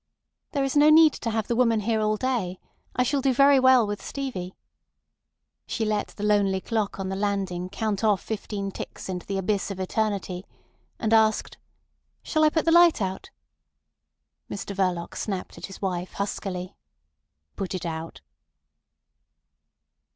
"There is no need to have the woman here all day. I shall do very well with Stevie." She let the lonely clock on the landing count off fifteen ticks into the abyss of eternity, and asked: "Shall I put the light out?" Mr Verloc snapped at his wife huskily. "Put it out."